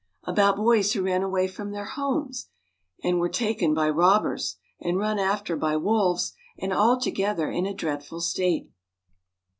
About boys who ran away from their homes, and were taken by robbers, and run after by wolves, and altogether in a dreadful state.